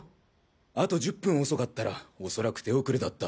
あと１０分遅かったら恐らく手遅れだった。